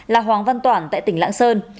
là hoàng văn toản tại tỉnh lạng sơn